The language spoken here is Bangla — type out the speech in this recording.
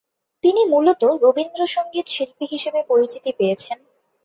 তিনি মূলতঃ রবীন্দ্র সঙ্গীত শিল্পী হিসেবে পরিচিতি পেয়েছেন।